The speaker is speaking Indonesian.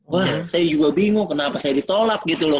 wah saya juga bingung kenapa saya ditolak gitu loh